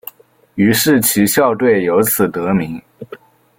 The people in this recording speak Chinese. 于是其校队由此得名。